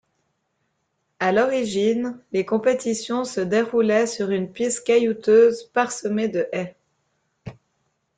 À l’origine, les compétitions se déroulaient sur une piste caillouteuse parsemées de haies.